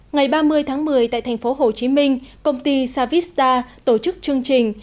ngày ba mươi tháng một mươi tại thành phố hồ chí minh công ty savista tổ chức chương trình